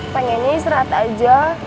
pengennya istirahat aja